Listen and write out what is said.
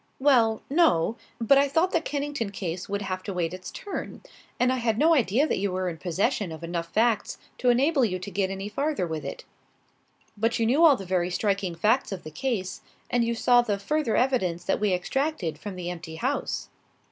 "Well, no. But I thought the Kennington case would have to wait its turn. And I had no idea that you were in possession of enough facts to enable you to get any farther with it." "But you knew all the very striking facts of the case, and you saw the further evidence that we extracted from the empty house."